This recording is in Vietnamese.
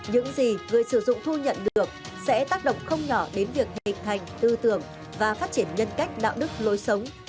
những gì người sử dụng thu nhận được sẽ tác động không nhỏ đến việc hình thành tư tưởng và phát triển nhân cách đạo đức lối sống